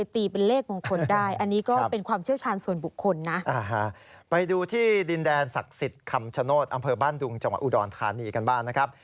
ไปดูที่ดินแดนศักดิ์สิทธิ์คำชโนธอำเภอบ้านดุงจังหวัดอุดรธานีกันบ้างนะครับ